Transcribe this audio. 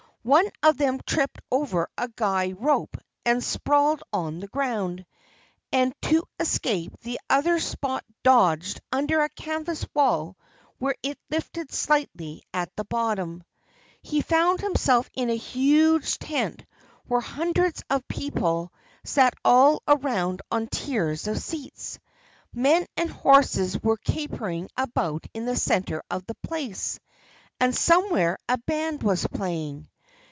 One of them tripped over a guy rope and sprawled on the ground. And to escape the other Spot dodged under a canvas wall where it lifted slightly at the bottom. He found himself in a huge tent where hundreds of people sat all around on tiers of seats. Men and horses were capering about in the center of the place. And somewhere a band was playing.